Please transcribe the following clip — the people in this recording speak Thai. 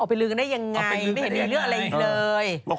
ไปลือกันได้ยังไงไม่เห็นมีเรื่องอะไรอีกเลย